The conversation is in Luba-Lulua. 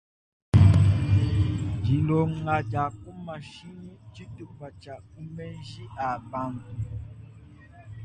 Dilonga dia ku mashinyi ntshitupa tshia ku menji a bantu.